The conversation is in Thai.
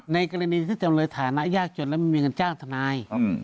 ในกรณีที่จำเลยฐานะยากจนแล้วไม่มีเงินจ้างทนาย